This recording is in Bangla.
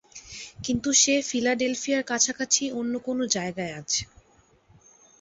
কিন্তু সে ফিলাডেলফিয়ার কাছাকাছি অন্য কোন জায়গায় আছে।